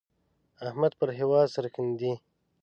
احمد پر هېواد سرښندي.